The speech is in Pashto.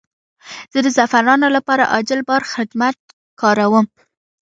زه د زعفرانو لپاره عاجل بار خدمت کاروم.